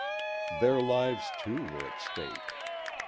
Their lives too were at stake.